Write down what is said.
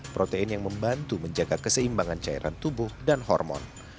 protein yang membantu menjaga keseimbangan cairan tubuh dan hormon